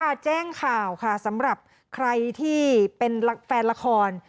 แจ้งข่าวค่ะสำหรับใครที่เป็นแฟนละคร